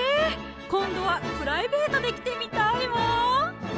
今度はプライベートで来てみたいわ！